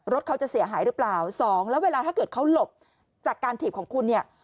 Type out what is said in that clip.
รถเขาจะเสียหายหรือเปล่าสองแล้วเวลาถ้าเกิดเขาหลบจากการถีบของคุณเนี่ย